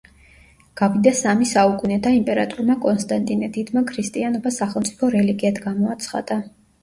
გავიდა სამი საუკუნე და იმპერატორმა კონსტანტინე დიდმა ქრისტიანობა სახელმწიფო რელიგიად გამოაცხადა.